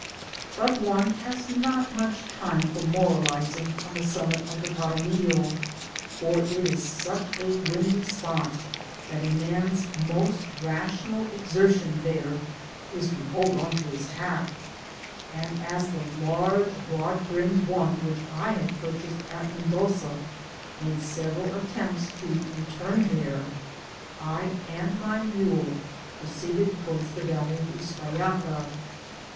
But one has not much time for moralising on the summit of the Para* millo, for it is such a windy spot, that a man'^s most rational exertion there is to hold on his hat ; and as the large broad brimmed one, which I had purchased at Mendoza, made several attempts to return there, I and my mule proceeded towards the valley of Uspallata.